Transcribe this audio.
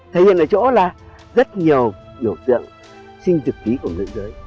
thấy hiện ở chỗ là rất nhiều biểu tượng sinh thực ký của người dưới